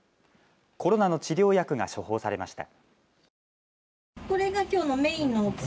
コロナの治療薬が処方されました。